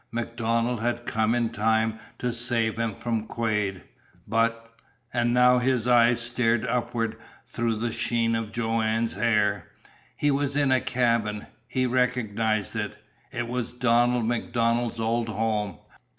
MacDonald had come in time to save him from Quade. But and now his eyes stared upward through the sheen of Joanne's hair he was in a cabin! He recognized it. It was Donald MacDonald's old home.